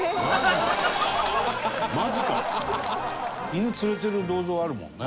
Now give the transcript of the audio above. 犬連れてる銅像あるもんね。